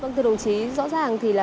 vâng thưa đồng chí rõ ràng thì là